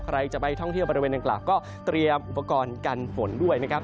ใครจะไปท่องเที่ยวบริเวณดังกล่าวก็เตรียมอุปกรณ์กันฝนด้วยนะครับ